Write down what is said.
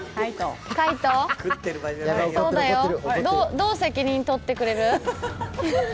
どう責任取ってくれる？